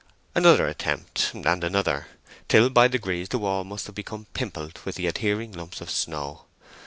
Another attempt, and another; till by degrees the wall must have become pimpled with the adhering lumps of snow.